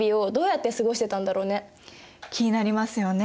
気になりますよね。